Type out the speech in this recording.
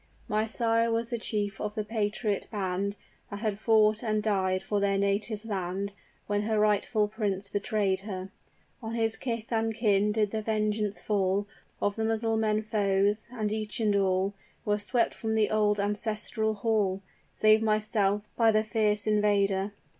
"My sire was the chief of the patriot band, That had fought and died for their native land, When her rightful prince betrayed her; On his kith and kin did the vengeance fall Of the Mussulman foes and each and all Were swept from the old ancestral hall, Save myself, by the fierce invader!